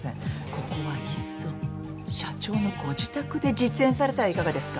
ここはいっそ社長のご自宅で実演されてはいかがですか？